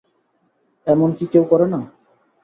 এমন কি কেউ করে না।